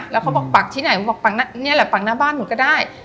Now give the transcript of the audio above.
แล้วเขาบอกปักที่ไหนบอกนี่แหละปักหน้าบ้านหนูก็ได้